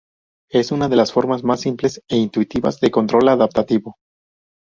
Es una de las formas más simples e intuitivas de control adaptativo.